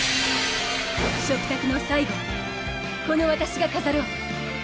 食卓の最後をこのわたしが飾ろう！